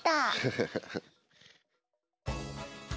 ハハハハ。